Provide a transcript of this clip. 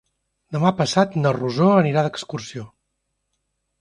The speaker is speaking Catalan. Demà passat na Rosó anirà d'excursió.